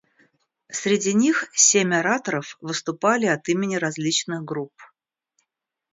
Среди них семь ораторов выступали от имени различных групп.